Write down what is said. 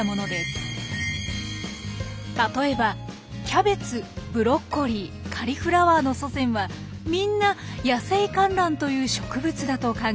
例えばキャベツブロッコリーカリフラワーの祖先はみんなヤセイカンランという植物だと考えられています。